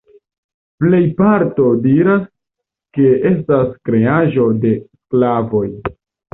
Plejparto diras ke estas kreaĵo de sklavoj.